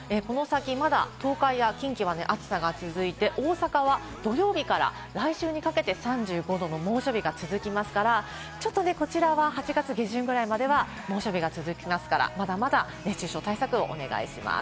名古屋から那覇で見てみても、この先、まだ東海や近畿は暑さが続いて大阪は土曜日から来週にかけて３５度の猛暑日が続きますから、ちょっとこちらは８月下旬ぐらいまでは猛暑日が続きますから、まだまだ熱中症対策、お願いします。